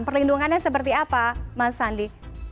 perlindungannya seperti apa mas sandi